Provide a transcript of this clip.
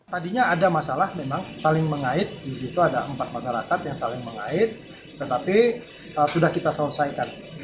tadinya ada masalah memang paling mengait disitu ada empat panggara kat yang paling mengait tetapi sudah kita selesaikan